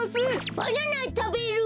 バナナたべる！